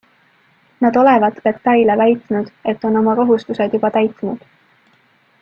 Nad olevat Pettaile väitnud, et on oma kohustused juba täitnud.